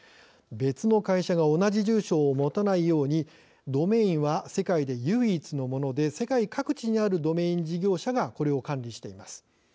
別の会社が同じ住所を持たないようにドメインは世界で唯一のもので世界各地にあるドメイン事業者がこれを管理しています。